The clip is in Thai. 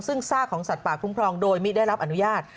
ซึ่งซากของสัตว์ป่าคุ้มครองโดยไม่ได้รับอนุญาต